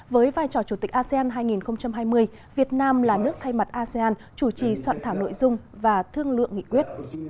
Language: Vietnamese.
với vai trò chủ tịch asean hai nghìn hai mươi việt nam là nước thay mặt asean chủ trì soạn thảo nội dung và thương lượng nghị quyết